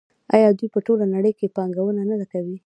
آیا دوی په ټوله نړۍ کې پانګونه نه کوي؟